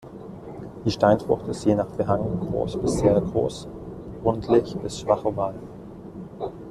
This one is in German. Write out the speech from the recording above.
Die Steinfrucht ist je nach Behang groß bis sehr groß, rundlich bis schwach oval.